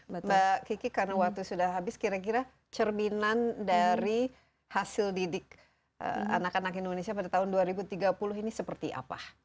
mbak kiki karena waktu sudah habis kira kira cerminan dari hasil didik anak anak indonesia pada tahun dua ribu tiga puluh ini seperti apa